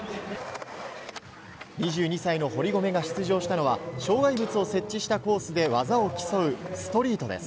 ２２歳の堀米が出場したのは、障害物を設置したコースで技を競う、ストリートです。